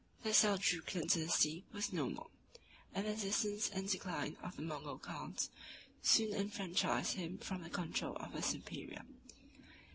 The Seljukian dynasty was no more; and the distance and decline of the Mogul khans soon enfranchised him from the control of a superior.